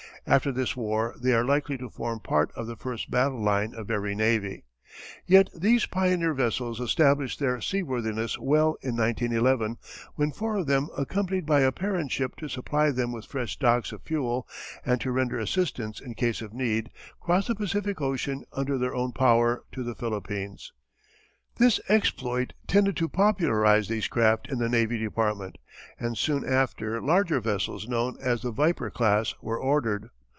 After this war they are likely to form part of the first battle line of every navy. Yet these pioneer vessels established their seaworthiness well in 1911, when four of them accompanied by a parent ship to supply them with fresh stocks of fuel and to render assistance in case of need, crossed the Pacific Ocean under their own power to the Philippines. This exploit tended to popularize these craft in the Navy Department, and soon after larger vessels known as the "Viper" class were ordered.